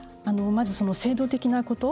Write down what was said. まず、制度的なこと。